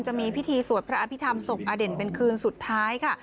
จะมีพิธีสวดพระอภิษฐรรมศพอเด่นเป็นคืนสุดท้ายค่ะ